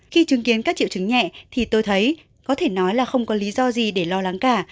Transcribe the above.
khi chứng kiến các triệu chứng nhẹ thì tôi thấy có thể nói là không có lý do gì để lo lắng cả